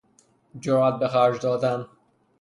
جرئت به خرج دادن